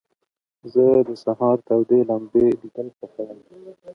زه د سهار تود لمبې لیدل خوښوم.